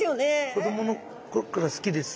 子どもの頃から好きです。